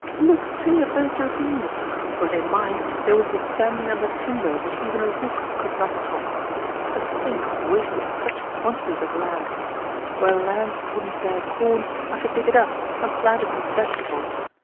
Look, too, at those ravines! Were they mine, they would be standing under timber which even a rook could not top. To think of wasting such quantities of land! Where land wouldn't bear corn, I should dig it up, and plant it with vegetables.